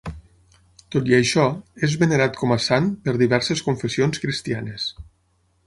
Tot i això, és venerat com a sant per diverses confessions cristianes.